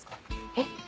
えっ？